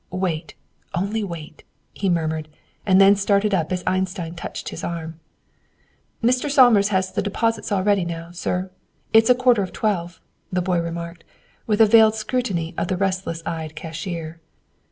"Wait, only wait," he murmured, and then started up as Einstein touched his arm. "Mr. Somers has the deposits all ready, now, sir. It's a quarter of twelve," the boy remarked, with a veiled scrutiny of the restless eyed cashier.